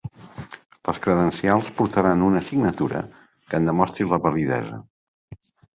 Les credencials portaran una signatura que en demostri la validesa.